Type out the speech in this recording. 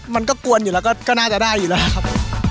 มันก็กวนอยู่แล้วก็น่าจะได้อยู่แล้วครับ